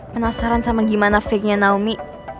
penasaran sama gimana fake nya naomi